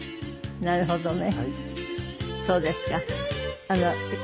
なるほどね。